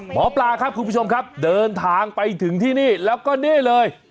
หมอปลาครับคุณผู้ชมครับเดินทางไปถึงที่นี่แล้วก็นี่เลย